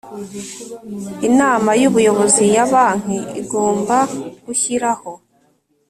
Inama y Ubuyobozi ya Banki igomba gushyiraho